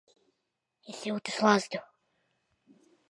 Es jūtu slazdu.